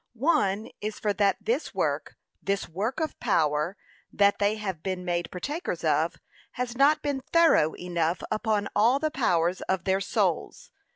] One is for that this work, this work of power that they have been made partakers of, has not been thorough enough upon all the powers of their souls.